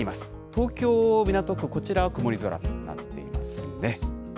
東京・港区、こちらは曇り空になっていますね。